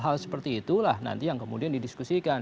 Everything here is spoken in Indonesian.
hal seperti itulah nanti yang kemudian didiskusikan